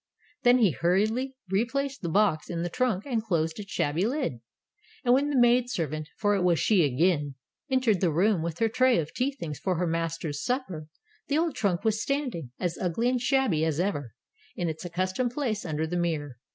'' Then he hurriedly replaced the box in the trunk, and closed its shabby lid. And when the maid servant — for it was she again — entered the room, with her tray of tea things for her master's supper, the old trunk was standing, as ugly and shabby as ever, in its accustomed place under the mirror.